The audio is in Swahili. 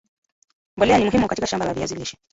mbolea ni muhimu katika shamba la viazi lishe